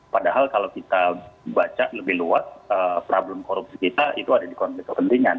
padahal kalau kita baca lebih luas problem korupsi kita itu ada di konflik kepentingan